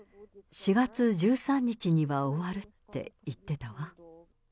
４月１３日には終わるって言ってたわ。